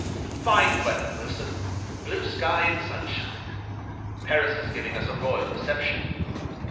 "Fine weather, Wilson.... Blue sky and sunshine! Paris is giving us a royal reception."